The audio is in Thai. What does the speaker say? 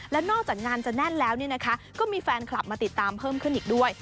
แล้วนอกจากงานจะแน่นแล้วเนี่ยนะคะก็มีแฟนคลับมาติดตามเพิ่มขึ้นอีกด้วย